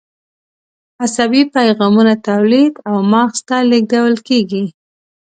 عصبي پیغامونه تولید او مغز ته لیږدول کېږي.